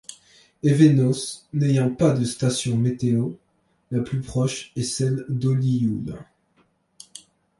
Évenos n'ayant pas de station météo, la plus proche est celle d'Ollioules.